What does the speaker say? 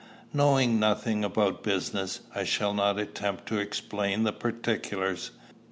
Knowing nothing about business, I shall not attempt to explain the particulars.